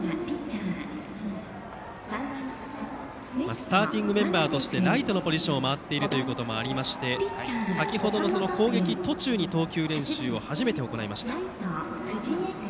スターティングメンバーとしてライトのポジションを守っているということもあって先程の攻撃途中に投球練習を初めて行いました。